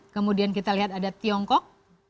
kemudian kita lihat ada tiongkok